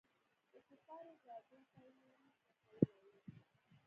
د کفارو ګاډو ته يېم رسولي وو.